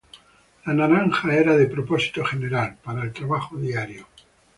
La naranja era de propósito general, para el trabajo diario.